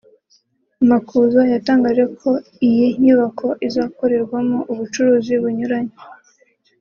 Makuza yatangaje ko iyi nyubako izakorerwamo ubucuruzi bunyuranye